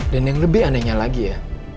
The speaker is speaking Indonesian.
dan yang lebih anehnya lagi ya